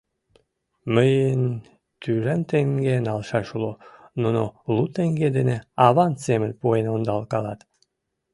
— Мыйын тӱжем теҥге налшаш уло, нуно лу теҥге дене аванс семын пуэн ондалкалат.